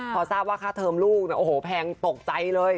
พอทราบว่าค่าเทอมลูกเนี่ยโอ้โหแพงตกใจเลย